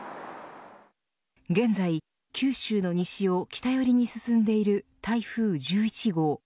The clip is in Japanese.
現在、九州の西を北寄りに進んでいる台風１１号。